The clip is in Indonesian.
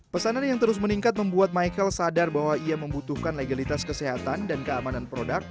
pesanan yang terus meningkat membuat michael sadar bahwa ia membutuhkan legalitas kesehatan dan keamanan produk